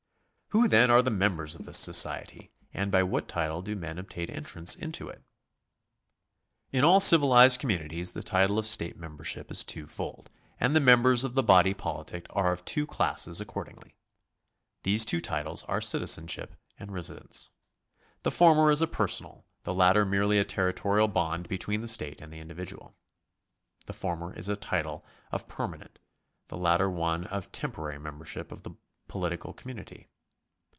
Who then are the members of this society, and by what title do men obtain entrance into it ? In all civilised communi ties the title of state membership is twofold, and the mem bers of the body politic are of two classes accordingly. These two titles are citizenship and residence. The former is a personal, the latter merely a territorial bond between the state and the individual. The former is a title of permanent, the latter one of temporary membership of the political com munity.